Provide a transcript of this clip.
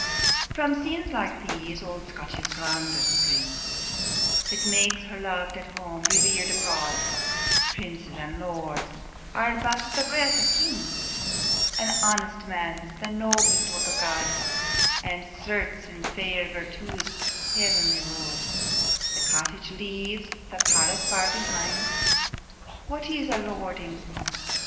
From scenes like these, old Scotia's grandeur springs, That makes her lov'd at home, rever'd abroad: Princes and lords are but the breath of kings, "An honest man's the noblest work of God;" And certes, in fair virtue's heavenly road, The cottage leaves the palace far behind; What is a lordling's pomp?